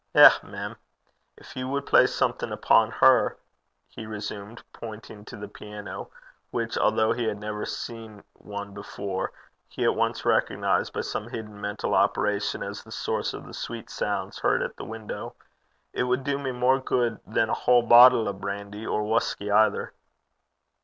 'Eh, mem! gin ye wad play something upo' her,' he resumed, pointing to the piano, which, although he had never seen one before, he at once recognized, by some hidden mental operation, as the source of the sweet sounds heard at the window, 'it wad du me mair guid than a haill bottle o' brandy, or whusky either.'